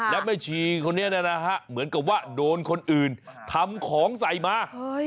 แล้วแม่ชีคนนี้นะฮะเหมือนกับว่าโดนคนอื่นทำของใส่มา